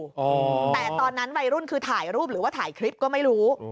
แต่ตอนนั้นวัยรุ่นคือถ่ายรูปหรือว่าถ่ายคลิปก็ไม่รู้